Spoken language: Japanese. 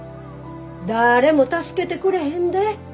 だれも助けてくれへんで？